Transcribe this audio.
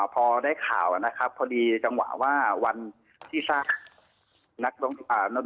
พอได้ข่าวนะครับพอดีจังหวะว่าวันที่ทราบนัก